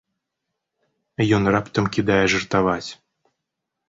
Ён раптам кідае жартаваць.